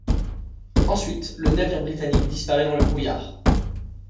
Ensuite le navire britannique disparaît dans le brouillard.